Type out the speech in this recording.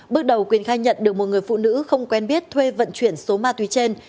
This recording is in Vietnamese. bước đầu quyền khai nhận được một người phụ nữ không quen biết thuê vận chuyển số ma túy trên